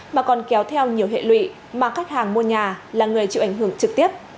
mà còn kéo theo nhiều hệ lụy mà khách hàng mua nhà là người chịu ảnh hưởng trực tiếp